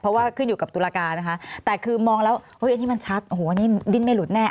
เพราะว่าขึ้นอยู่กับตุลาการนะคะแต่คือมองแล้วเฮ้ยอันนี้มันชัดโอ้โหอันนี้ดิ้นไม่หลุดแน่